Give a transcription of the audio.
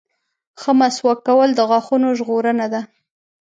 • ښه مسواک کول د غاښونو ژغورنه ده.